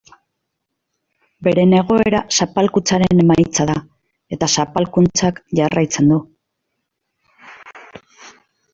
Beren egoera zapalkuntzaren emaitza da eta zapalkuntzak jarraitzen du.